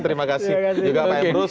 terima kasih juga pak emrus